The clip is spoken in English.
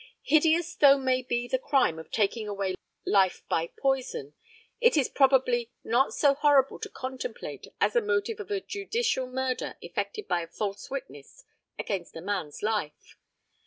Hideous though may be the crime of taking away life by poison, it is probably not so horrible to contemplate as the motive of a judicial murder effected by a false witness against a man's life.